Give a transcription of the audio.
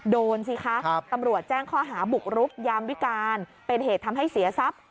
ดูสิคะตำรวจแจ้งข้อหาบุกรุกยามวิการเป็นเหตุทำให้เสียทรัพย์